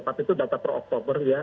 tapi itu data per oktober ya